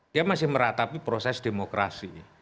dia masih meratapi proses demokrasi